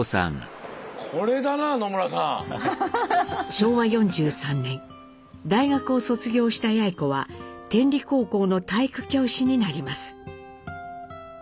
昭和４３年大学を卒業した八詠子は天理高校の体育教師になります。